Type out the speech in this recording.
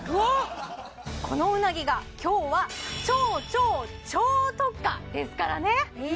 このうなぎが今日は超超超特価ですからね